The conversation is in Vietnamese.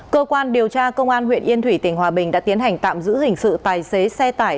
cơ quan điều tra công an huyện yên thủy tỉnh hòa bình đã tiến hành tạm giữ hình sự tài xế xe tải